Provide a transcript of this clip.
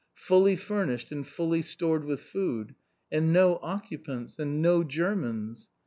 Fully furnished, and fully stored with food! And no occupants! And no Germans!